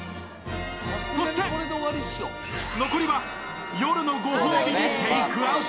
そして、残りは夜のご褒美にテークアウト。